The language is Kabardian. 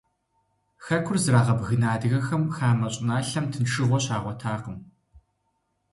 Хэкур зрагъэбгына адыгэхэм хамэ щӀыналъэм тыншыгъуэ щагъуэтакъым.